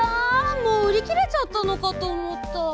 もううりきれちゃったのかとおもった。